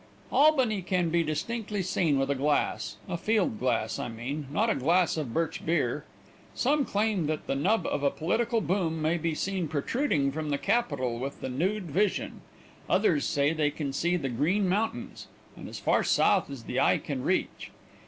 Albany can be distinctly seen with a glass a field glass, I mean, not a glass of birch beer. Some claim that the nub of a political boom may be seen protruding from the Capitol with the nude vision. Others say they can see the Green mountains, and as far south as the eye can reach.